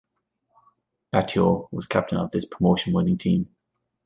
Atyeo was captain of this promotion winning team.